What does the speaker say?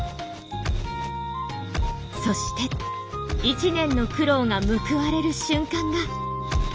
そして１年の苦労が報われる瞬間が。